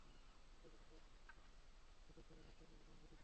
নাচের জন্য তায়েফের আশ-পাশ হতে সেরা সেরা নর্তকীর আগমন ঘটেছিল।